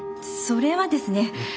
それはですね